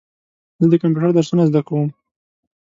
زه د کمپیوټر درسونه زده کوم.